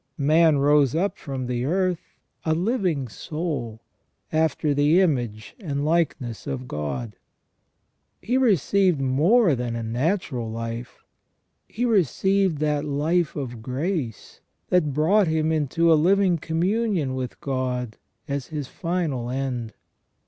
Man rose up from the earth " a living soul," after the image and likeness of God. He received more than a natural life, he received that life of grace that brought him into a living communion with God as his final end.